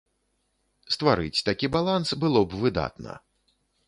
Стварыць такі баланс было б выдатна.